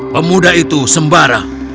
pemuda itu sembara